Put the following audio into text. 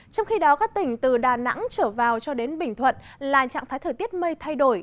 trong khi đó các tỉnh từ đà nẵng trở vào cho đến bình thuận là trạng thái thời tiết mây thay đổi